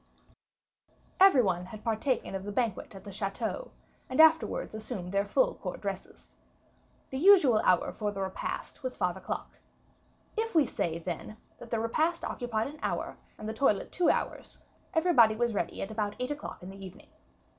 Every one had partaken of the banquet at the chateau, and afterwards assumed their full court dresses. The usual hour for the repast was five o'clock. If we say, then, that the repast occupied an hour, and the toilette two hours, everybody was ready about eight o'clock in the evening.